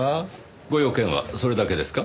ご用件はそれだけですか？